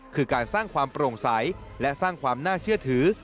คือการสร้างความโปร่งใสและสร้างความน่าเชื่อถือ